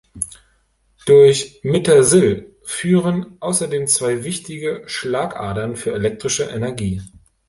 Durch Mittersill führen außerdem zwei wichtige "Schlagadern" für elektrische Energie.